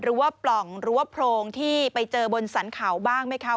ปล่องหรือว่าโพรงที่ไปเจอบนสรรเขาบ้างไหมคะ